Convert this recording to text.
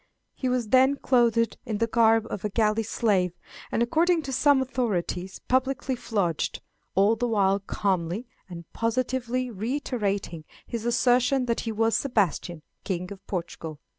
He was then clothed in the garb of a galley slave, and, according to some authorities, publicly flogged, all the while calmly and positively reiterating his assertion that he was Sebastian, King of Portugal.